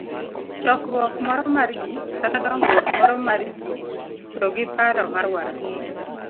chokruok moro mar ji, kata dongruok moro mar ji, to gi paro mar wach